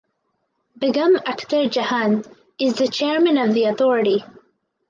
Begum Akhter Jahan is Chairman of the authority.